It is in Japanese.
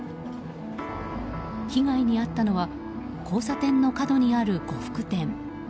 被害に遭ったのは交差点の角にある呉服店。